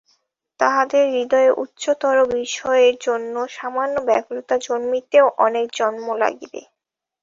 তাহাদের হৃদয়ে উচ্চতর বিষয়ের জন্য সামান্য ব্যাকুলতা জন্মিতেও অনেক জন্ম লাগিবে।